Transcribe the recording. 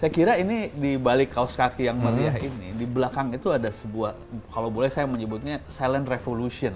saya kira ini di balik kaos kaki yang mulia ini di belakang itu ada sebuah kalau boleh saya menyebutnya silent revolution